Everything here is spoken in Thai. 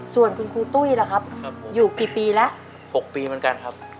ส่วนคุณครูตุ้ยล่ะครับอยู่กี่ปีแล้ว๖ปีเหมือนกันครับ